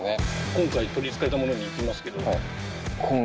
今回取り憑かれたものに行きますけど。